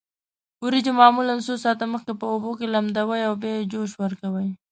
وریجې معمولا څو ساعته مخکې په اوبو کې لمدوي او بیا یې جوش ورکوي.